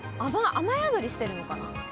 雨宿りしてるのかな。